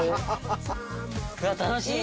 楽しい！